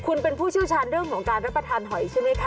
คุณเป็นผู้เชี่ยวชาญเรื่องของการรับประทานหอยใช่ไหมคะ